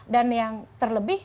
dan yang terlebih